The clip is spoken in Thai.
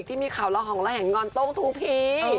ที่มีข่าวละหองและแห่งงอนตกทุกพี